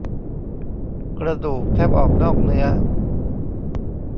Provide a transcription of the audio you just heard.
กระดูกแทบออกนอกเนื้อ